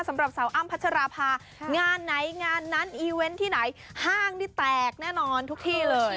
สำหรับสาวอ้ำพัชราภางานไหนงานนั้นอีเวนต์ที่ไหนห้างนี่แตกแน่นอนทุกที่เลย